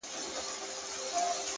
• دا ځلي غواړم لېونی سم د هغې مینه کي؛